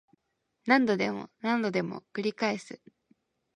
何度でも何度でも繰り返す